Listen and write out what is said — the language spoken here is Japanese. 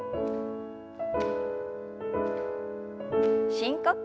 深呼吸。